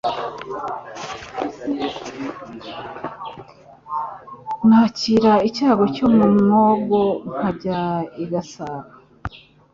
Nakira icyago cyo ku mwogo Nkajya i Gasabo